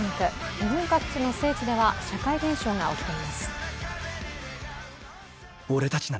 日本各地の聖地では社会現象が起きています。